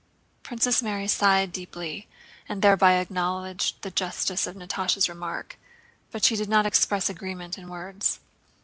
Princess Mary sighed deeply and thereby acknowledged the justice of Natásha's remark, but she did not express agreement in words.